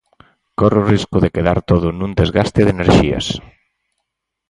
Corre o risco de quedar todo nun desgaste de enerxías.